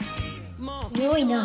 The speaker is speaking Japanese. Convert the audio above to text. よいな。